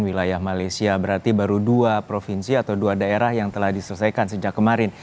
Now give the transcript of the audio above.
wilayah malaysia berarti baru dua provinsi atau dua daerah yang telah diselesaikan sejak kemarin